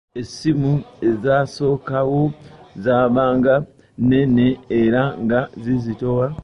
Essimu ezasookawo zaabanga nnene era nga zizitowa.